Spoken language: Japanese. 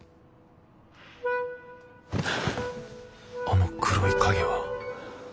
あの黒い影は。